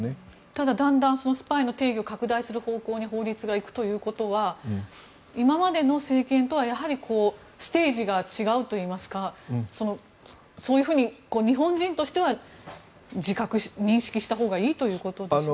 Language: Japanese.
ただ、だんだんスパイの定義を拡大する方向に法律がいくということは今までの政権とはステージが違うといいますかそういうふうに日本人としては自覚や認識をしたほうがいいんですか？